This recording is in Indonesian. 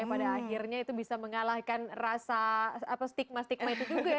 yang pada akhirnya itu bisa mengalahkan rasa apa stigma stigma itu juga ya